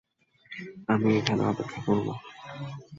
আমি এখানে অপেক্ষা করব।